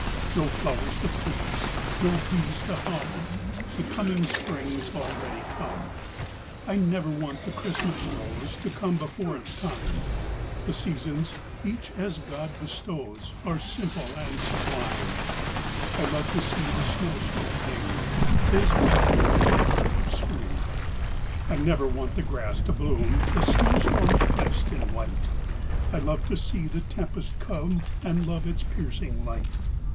No flowers to please no bees to hum The coming spring's already come. I never want the Christmas rose To come before its time; The seasons, each as God bestows, Are simple and sublime. I love to see the snowstorm hing; 'Tis but the winter garb of spring. I never want the grass to bloom: The snowstorm's best in white. I love to see the tempest come And love its piercing light.